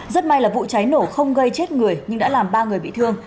rất may là vụ cháy nổ không gây chết người nhưng đã làm ba người bị thương